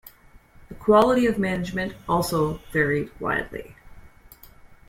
The quality of management also varied widely.